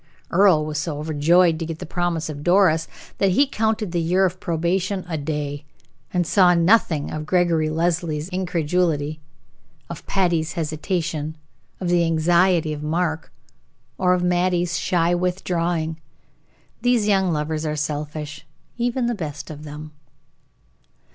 Earle was so overjoyed to get the promise of Doris, that he counted the year of probation a day, and saw nothing of Gregory Leslie's incredulity, of Patty's hesitation, of the anxiety of Mark, or of Mattie's shy withdrawing. These young lovers are selfish, even the best of them.